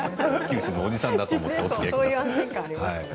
九州のおじさんだと思っておつきあいください。